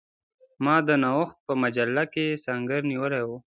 ما د نوښت په مجله کې سنګر نیولی وو.